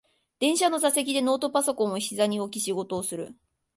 電車の座席でノートパソコンをひざに置き仕事をする